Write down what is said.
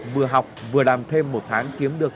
vừa học vừa làm thêm một tháng kiếm được